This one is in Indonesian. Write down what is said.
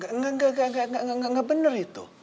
enggak enggak enggak enggak bener itu